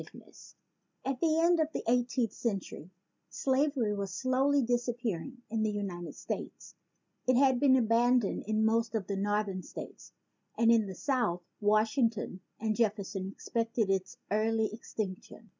142 ON THE LENGTH OF CLEOPATRA'S NOSE At the end of the eighteenth century slavery was slowly disappearing in the United States. It had been abandoned in most of the northern states; and in the South Washington and Jef ferson expected its early extinction.